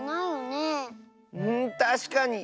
んたしかに！